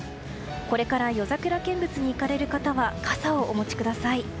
これから夜桜見物に行かれる方は傘をお持ちください。